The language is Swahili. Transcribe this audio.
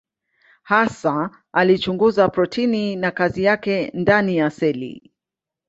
Hasa alichunguza protini na kazi yake ndani ya seli.